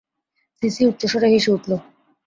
CC উচ্চৈঃস্বরে হেসে উঠল।